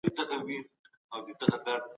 ايا سياسي قدرت د سياستپوهني هسته نه ده؟